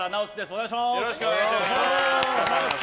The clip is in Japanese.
お願いします！